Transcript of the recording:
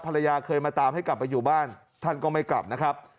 ภรรยาเคยมาตามให้กลับไปอยู่บ้านท่านก็ไม่กลับนะครับ